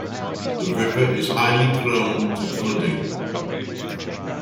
The river is highly prone to flooding.